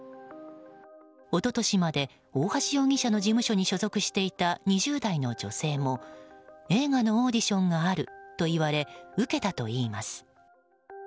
一昨年まで大橋容疑者の事務所に所属していた２０代の女性も、映画のオーディションがあるといわれ受けたといいます。